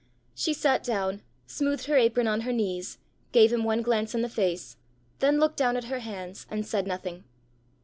She sat down, smoothed her apron on her knees, gave him one glance in the face, then looked down at her hands, and said nothing.